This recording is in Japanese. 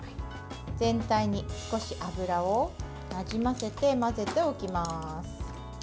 全体に少し油をなじませて混ぜておきます。